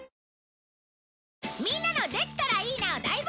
みんなのできたらいいなを大募集！